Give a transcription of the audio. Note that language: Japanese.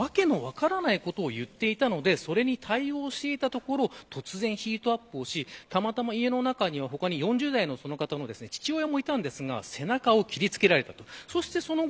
訳の分からないことを言っていたのでそれに対応していたところ突然、ヒートアップしたまたま家の中には他に４０代の父親もいたんですが背中を切付けられた。